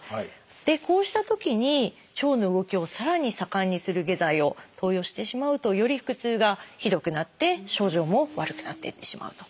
でこうしたときに腸の動きをさらに盛んにする下剤を投与してしまうとより腹痛がひどくなって症状も悪くなっていってしまうと。